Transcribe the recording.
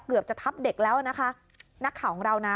เกือบจะทับเด็กแล้วนะคะนักข่าวของเรานะ